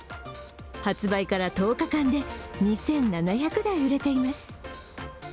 発売から１０日間で２７００台売れています。